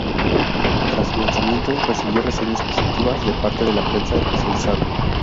Tras su lanzamiento recibió reseñas positivas de parte de la prensa especializada.